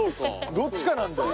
どっちかなんだよ。